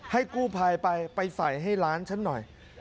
ให้กู้ภัยไปไปใส่ให้ร้านฉันหน่อย